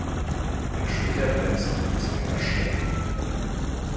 Wer später bremst, ist länger schnell.